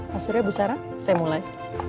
mas surya bu sarah saya mulai